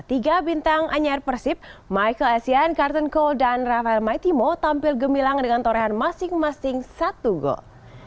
tiga bintang anyar persib michael essian carton cole dan rafael maitimo tampil gemilang dengan torehan masing masing satu gol